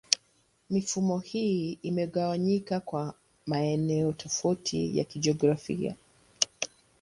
Mifumo hii imegawanyika kwa maeneo tofauti ya kijiografia.